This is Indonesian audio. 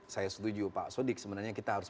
saya setuju pak sodik sebenarnya kita harus